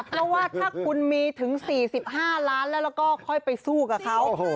เพราะว่าถ้าคุณมีถึง๔๕ล้านแล้วก็ค่อยไปสู้กับเขา